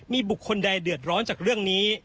มีบุคคลใดเดือดร้อนจากเรื่องนี้